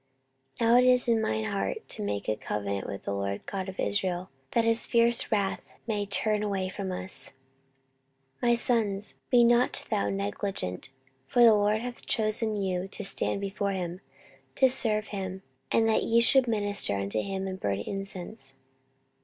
14:029:010 Now it is in mine heart to make a covenant with the LORD God of Israel, that his fierce wrath may turn away from us. 14:029:011 My sons, be not now negligent: for the LORD hath chosen you to stand before him, to serve him, and that ye should minister unto him, and burn incense.